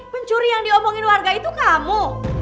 pencuri yang diomongin warga itu kamu